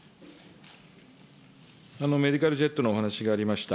メディカルジェットのお話がありました。